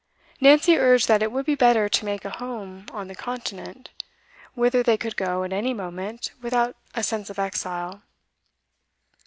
Nancy urged that it would be better to make a home on the continent, whither they could go, at any moment, without a sense of exile.